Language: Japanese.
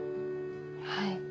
はい。